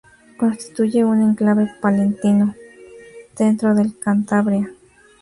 Constituye un exclave palentino dentro de Cantabria.